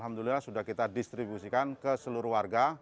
alhamdulillah sudah kita distribusikan ke seluruh warga